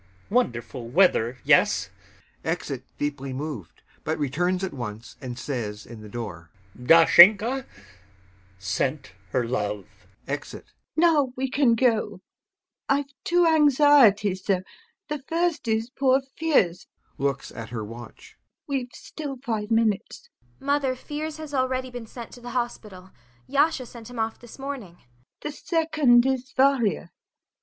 Wonderful weather... yes.... [Exit deeply moved, but returns at once and says in the door] Dashenka sent her love! [Exit.] LUBOV. Now we can go. I've two anxieties, though. The first is poor Fiers [Looks at her watch] We've still five minutes.... ANYA. Mother, Fiers has already been sent to the hospital. Yasha sent him off this morning. LUBOV. The second is Varya.